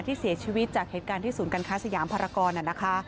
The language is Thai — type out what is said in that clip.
ที่เสียชีวิตจากเหตุการณ์ที่ศูนย์การค้าสยามภารกรน่ะนะคะ